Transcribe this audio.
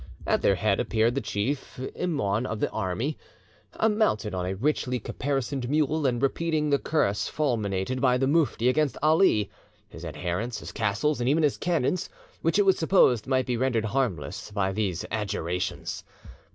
At their head appeared the chief Imaun of the army, mounted on a richly caparisoned mule and repeating the curse fulminated by the mufti against Ali, his adherents, his castles, and even his cannons, which it was supposed might be rendered harmless by these adjurations.